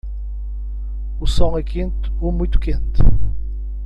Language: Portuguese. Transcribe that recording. O sol é quente ou muito quente?